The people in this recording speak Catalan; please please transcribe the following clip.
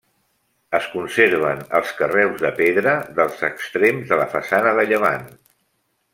Es conserven els carreus de pedra dels extrems de la façana de llevant.